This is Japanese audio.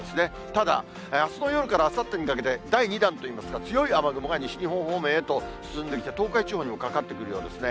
ただ、あすの夜からあさってにかけて、第２弾といいますか、強い雨雲が西日本方面へと進んできて、東海地方にもかかってくるようですね。